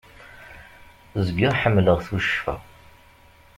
Zgiɣ ḥemmleɣ tuccfa.